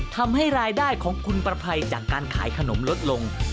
ทำให้รายได้ของคุณประภัยจากการขายขนมลดลง